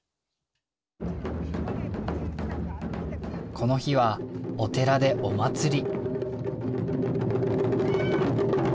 この日はお寺でお祭り。